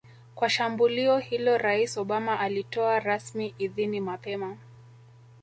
kwa shambulio hilo Rais Obama alitoa rasmi idhini mapema